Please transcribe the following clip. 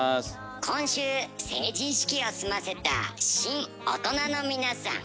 今週成人式を済ませた新大人の皆さん。